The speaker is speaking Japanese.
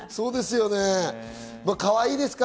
かわいいですか？